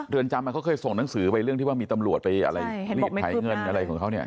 เรือนจำเขาเคยส่งหนังสือไปเรื่องที่ว่ามีตำรวจไปอะไรรีดไถเงินอะไรของเขาเนี่ย